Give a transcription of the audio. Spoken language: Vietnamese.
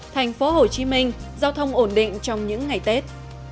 thành phố hồ chí minh giao thông ổn định trong những ngày tết